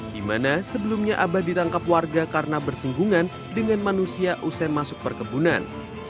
dimana sebelumnya abah ditangkap warga karena bersenggungan dengan manusia usai masuk perkebunan